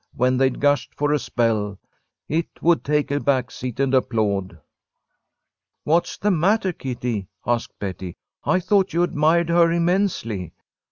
When they'd gushed for a spell It would take a back seat and applaud." "What's the matter, Kitty?" asked Betty, "I thought you admired her immensely."